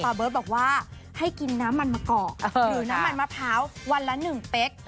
เบิร์ตบอกว่าให้กินน้ำมันมะกอกหรือน้ำมันมะพร้าววันละ๑เป๊ก